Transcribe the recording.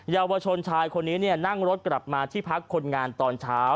เยาวชนชายคนนี้นั่งรถกลับมาที่พักคนงานตอนเช้า